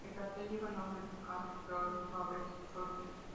El cráter lleva el nombre de Karl Theodor Robert Luther.